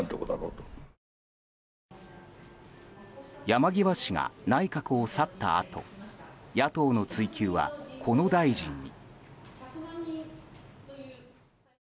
山際氏が内閣を去ったあと野党の追及は、この大臣に。